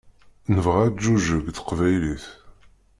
Nebɣa ad teǧǧuǧeg teqbaylit.